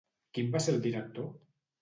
Qui en va ser el director?